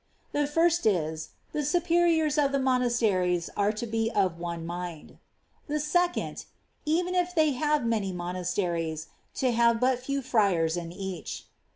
The first is, the superiors of the monasteries are to be of one mind. The second, even if they have many monasteries, to have but few friars in each.